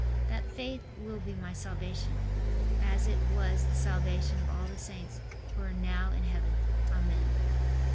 That faith will be my salvation, as it was the salvation of all the saints who are now in Heaven. Amen.